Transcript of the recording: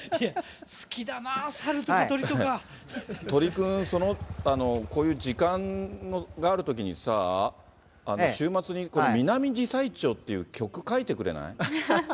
好きだなー、鳥くん、そのこういう時間があるときにさ、週末に今度、ミナミジサイチョウっていう曲書いてくれない？